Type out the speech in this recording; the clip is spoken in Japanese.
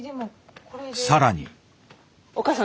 更に。